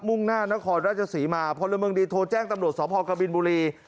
่งหน้านครราชศรีมาพลเมืองดีโทรแจ้งตำรวจสพกบินบุรี